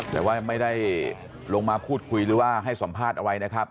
แต่ว่าไม่ได้ลงมาพูดคุยหรือว่าให้สัมภาษณ์อะไรนะครับ